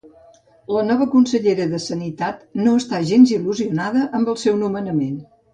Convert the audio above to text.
La nova consellera de Sanitat no està gens il·lusionada amb el seu nomenament